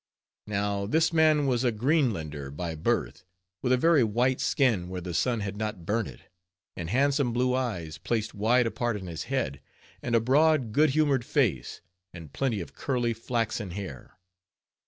Now this man was a Greenlander by birth, with a very white skin where the sun had not burnt it, and handsome blue eyes placed wide apart in his head, and a broad good humored face, and plenty of curly flaxen hair.